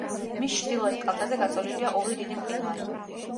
მის ჩრდილოეთ კალთაზე გაწოლილია ორი დიდი მყინვარი.